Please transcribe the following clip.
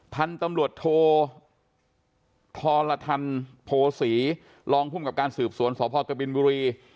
ท่านตำรวจโทรธรทันโภษีรองภูมิกับการสืบสวนศพกบิลบุรี